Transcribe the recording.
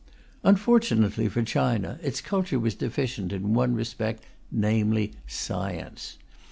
Unfortunately for China, its culture was deficient in one respect, namely science.